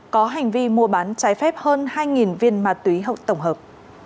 có hành vi mua bán trái phép hơn hai viên ma túy hậu tổng hợp